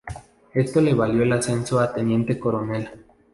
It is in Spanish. Esto le valió el ascenso a teniente coronel.